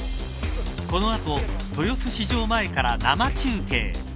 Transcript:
この後、豊洲市場前から生中継。